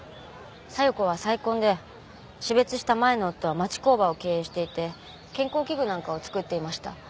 佐代子は再婚で死別した前の夫は町工場を経営していて健康器具なんかをつくっていました。